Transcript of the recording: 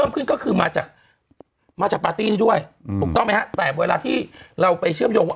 ก็คือมาจากปาร์ตี้นี้ด้วยถูกต้องไหมฮะแต่เวลาที่เราไปเชื่อมโยง